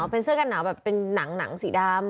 เป็นเสื้อกันหนาวแบบเป็นหนังสีดำ